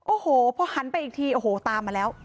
โอ้โหพอหันไปอีกทีโอ้โหตามมาแล้ว